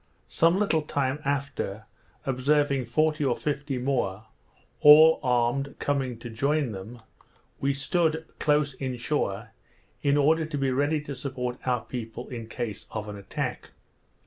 Some little time after, observing forty or fifty more, all armed, coming to join them, we stood close in shore, in order to be ready to support our people in case of an attack.